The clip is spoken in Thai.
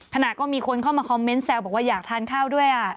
ขณะก็มีคนเข้ามาคอมเมนต์แซวบอกว่าอยากทานข้าวด้วย